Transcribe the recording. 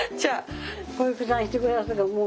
小雪さんしてくれはるからもう。